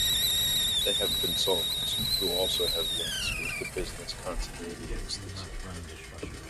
They have consultants who also have links with the Business Continuity Institute.